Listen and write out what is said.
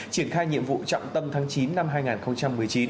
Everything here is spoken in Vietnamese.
triển khai nhiệm vụ trọng tâm tháng chín năm hai nghìn một mươi chín